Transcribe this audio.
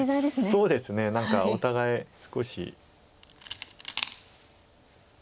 そうですね何かお互い少し。